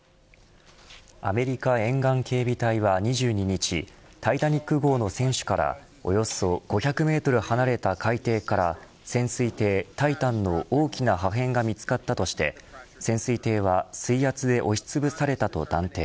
アメリカ沿岸警備隊は２２日タイタニック号の船首からおよそ５００メートル離れた海底から潜水艇、タイタンの大きな破片が見つかったとして潜水艇は水圧で押しつぶされたと断定。